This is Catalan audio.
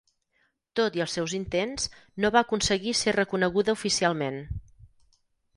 Tot i els seus intents, no va aconseguir ser reconeguda oficialment.